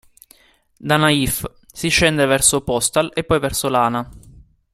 Da Naif si scende verso Postal e poi verso Lana.